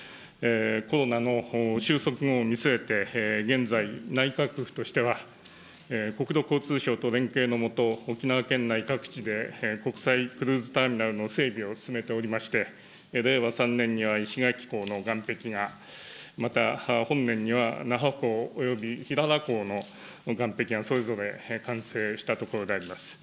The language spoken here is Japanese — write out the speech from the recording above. コロナの収束後を見据えて、現在、内閣府としては国土交通省と連携のもと、沖縄県内各地で国際クルーズターミナルの整備を進めておりまして、令和３年には石垣港の岸壁が、また本年には那覇港および港の岸壁がそれぞれ完成したところであります。